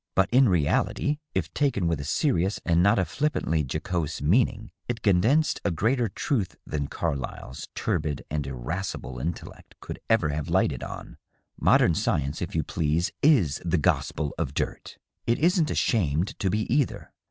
But in reality, if taken with a serious and not a flippantly jocose meaning, it condensed a greater truth than Carlyle's turbid and irascible intellect could ever have lighted on. Modern science, if you please, is the gospel of dirt. It isn't ashamed to be, either.